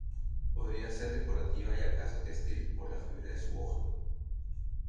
Podría ser decorativa y acaso textil por la fibra de su hoja.